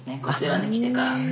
こちらに来てから。